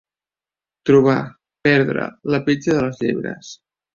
Trobar, perdre, la petja de les llebres.